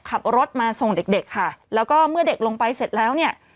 ขับรถมาส่งเด็กเด็กค่ะแล้วก็เมื่อเด็กลงไปเสร็จแล้วเนี่ย